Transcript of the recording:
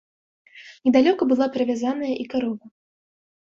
Недалёка была прывязаная і карова.